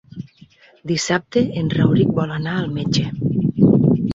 Dissabte en Rauric vol anar al metge.